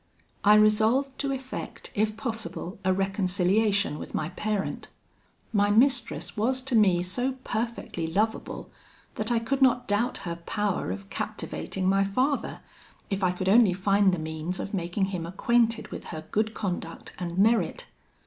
"I resolved to effect, if possible, a reconciliation with my parent. My mistress was to me so perfectly lovable, that I could not doubt her power of captivating my father, if I could only find the means of making him acquainted with her good conduct and merit.